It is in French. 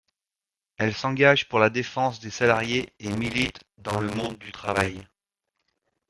Elle s’engage pour la défense des salariés et milite dans le monde du travail.